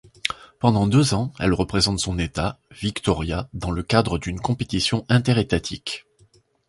Pendant deux ans, elle représente son État, Victoria, dans le cadre d'une compétition interétatique.